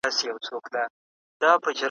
هر چا ته د پوهې زمینه برابره کړئ.